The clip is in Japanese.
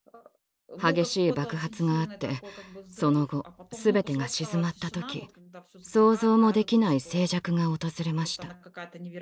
激しい爆発があってその後すべてが静まった時想像もできない静寂が訪れました。